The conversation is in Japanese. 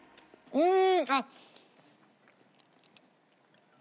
うん。